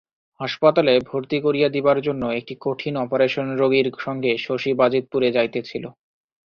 হাসপাতালে ভরতি করিয়া দিবার জন্য একটি কঠিন অপারেশন রোগীর সঙ্গে শশী বাজিতপুরে যাইতেছিল।